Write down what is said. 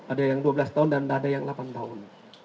ada yang dua belas tahun dan ada yang delapan tahun